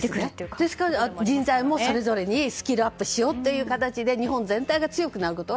ですから、人材もそれぞれにスキルアップしようと日本全体が強くなることは